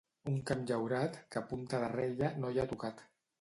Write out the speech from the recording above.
Un camp llaurat que punta de rella no hi ha tocat.